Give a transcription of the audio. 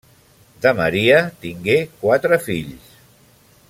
De Maria, tingué quatre fills: